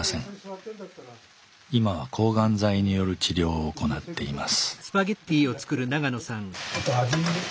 今は抗がん剤による治療を行っています。